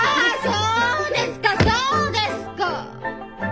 そうですかそうですか！